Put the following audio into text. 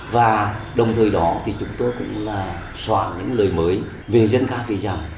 và đồng thời đó thì chúng tôi cũng là soạn những lời mới về dân ca ví dặm